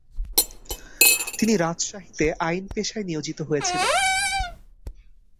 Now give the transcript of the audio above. তিনি রাজশাহীতে আইন পেশায় নিয়োজিত হয়েছিলেন।